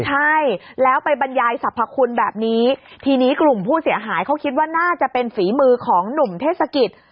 ใช่แล้วไปบรรยายสรรพคุณแบบนี้ทีนี้กลุ่มผู้เสียหายเขาคิดว่าน่าจะเป็นฝีมือของหนุ่มเทศกิจ